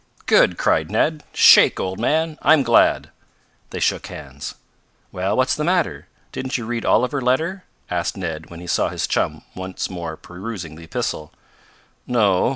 "Good!" cried Ned. "Shake, old man. I'm glad!" They shook hands. "Well, what's the matter? Didn't you read all of her letter?" asked Ned when he saw his chum once more perusing the epistle. "No.